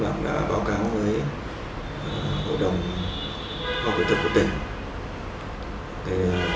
và đã báo cáo với hội đồng học viên thật của tỉnh